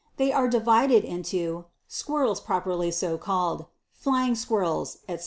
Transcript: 21. They are divided into Squirrels properly so called, Flying Squirrels, fyc.